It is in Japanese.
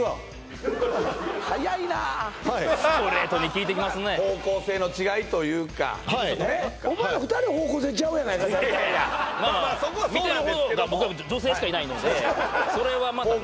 早いなあストレートに聞いてきますね方向性の違いというかお前ら２人方向性ちゃうやないかだいたいまあまあ見てる方が僕は女性しかいないのでそれはまたね